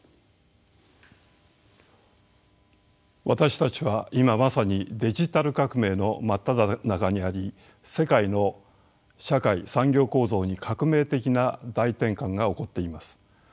私たちは今まさにデジタル革命の真っただ中にあり世界の社会・産業構造に革命的な大転換が起こっています。